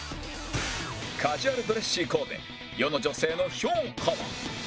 カジュアルドレッシーコーデ世の女性の評価は？